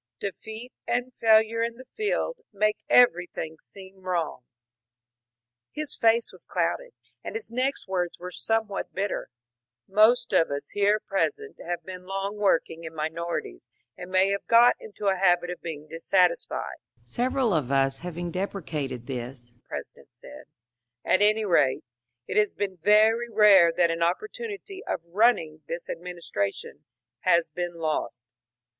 Defeat and fail ure in the field make everything seem wrong." Hb face was clouded, and his next words were somewhat bitter :*^ Most of us here present have been long working in minorities, and may have got into a habit of being dissatisfied." Several of us having deprecated this, the President said, '* At any rate, it has been very rare that an opportunity of * running ' this ad ministration has been lost."